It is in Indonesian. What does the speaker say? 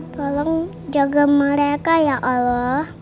tolong jaga mereka ya allah